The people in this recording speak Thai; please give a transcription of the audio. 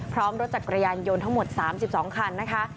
พร้อมรถจักรยานยนต์ทั้งหมด๓๒คันนะคะ